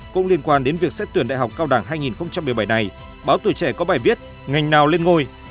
cũng liên quan đến việc xét tuyển đại học cao đẳng hai nghìn một mươi bảy này báo tuổi trẻ có bài viết ngành nào lên ngôi